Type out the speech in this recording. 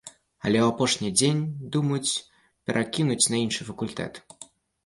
Але ў апошні дзень думаюць перакінуць на іншы факультэт.